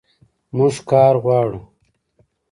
موږ کار غواړو